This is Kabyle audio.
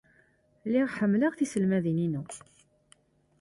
Lliɣ ḥemmleɣ tiselmadin-inu.